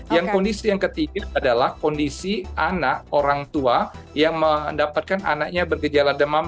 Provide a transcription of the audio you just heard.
yang kondisi yang ketiga adalah kondisi anak orang tua yang mendapatkan anaknya bergejala demam